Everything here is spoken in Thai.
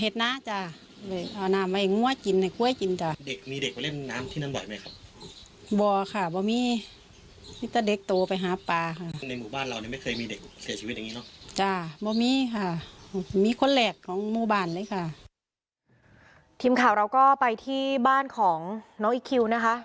ทีมข่าวเราก็ไปที่บ้านของน้องอีกคิวนะคะ